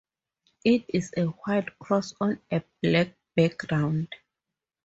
It is a white cross on a black background.